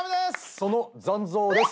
その残像です。